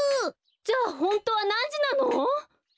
じゃあホントはなんじなの？